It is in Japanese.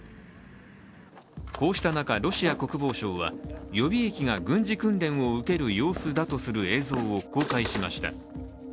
こうした中、ロシア国防省は予備役が軍事訓練を受ける様子だとする映像を公開しました。